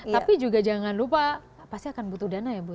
tapi juga jangan lupa pasti akan butuh dana ya bu ya